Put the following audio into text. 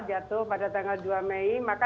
jatuh pada tanggal dua mei maka